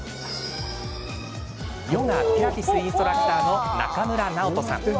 ヨガ、ピラティスインストラクターの中村尚人さん。